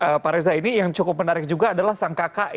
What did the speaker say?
oke pak reza ini yang cukup menarik juga adalah sang kakak